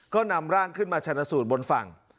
ก็นำร่างขึ้นมาชนะสูตรบนฝั่ง